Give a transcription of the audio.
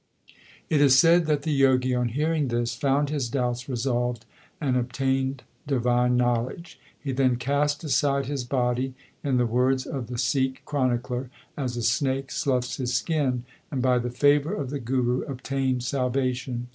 1 It is said that the Jogi on hearing this found his doubts resolved and obtained divine knowledge. He then cast aside his body, in the words of the Sikh chronicler, as a snake sloughs his skin, and by the favour of the Guru obtained salvation.